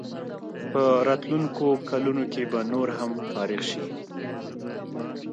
په راتلونکو کلونو کې به نور هم فارغ شي.